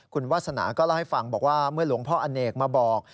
คุณวาสนาก็เล่าให้ฟังบอกว่าเมื่อหลวงพ่ออเนกมาบอก